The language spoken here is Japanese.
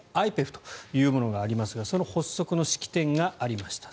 ＩＰＥＦというものがありますがその発足の式典がありました。